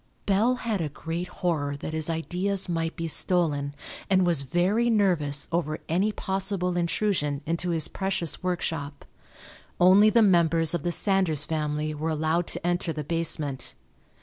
Bell had a great horror that his ideas might be stolen and was very nervous over any possible intrusion into his precious workshop. Only the members of the Sanders family were allowed to enter the basement.